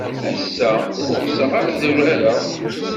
Ass-a, ur ɣseɣ ara ad urareɣ.